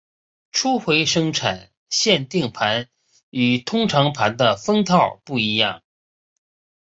初回生产限定盘与通常盘的封套不一样。